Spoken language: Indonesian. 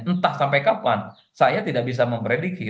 entah sampai kapan saya tidak bisa memprediksi